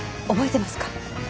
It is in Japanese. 覚えてますか？